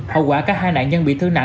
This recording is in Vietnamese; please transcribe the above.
hậu quả các hai nạn nhân bị thương nạn